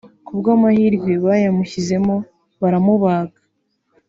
Ku bw’amahirwe bayamushyizemo baramubaga